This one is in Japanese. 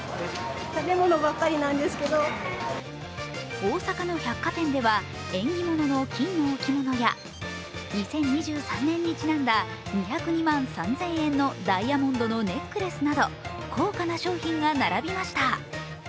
大阪の百貨店では縁起物の金の置物や２０２３年にちなんだ２０２万３０００円のダイヤモンドのネックレスなど高価な商品が並びました。